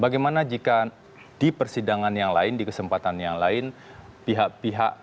bagaimana jika di persidangan yang lain di kesempatan yang lain pihak pihak